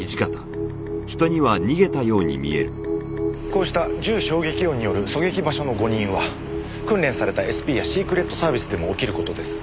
こうした銃衝撃音による狙撃場所の誤認は訓練されたＳＰやシークレットサービスでも起きる事です。